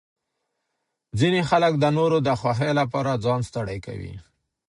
ځینې خلک د نورو د خوښۍ لپاره ځان ستړی کوي.